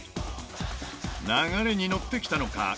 流れに乗ってきたのか